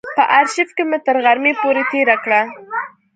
په آرشیف کې مې تر غرمې پورې تېره کړه.